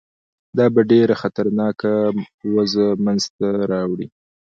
دا به ډېره خطرناکه وضع منځته راوړي.